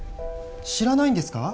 知らないんですか？